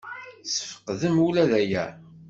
Tesfeqdem ula d aya?